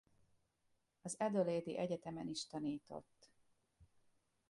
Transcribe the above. Az adelaide-i egyetemen is tanított.